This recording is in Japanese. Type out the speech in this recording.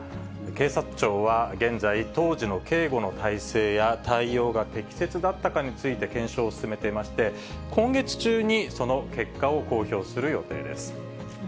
警察庁は現在、当時の警護の態勢や対応が適切だったかについて検証を進めていまして、今月中に、その結果を公表する予定です。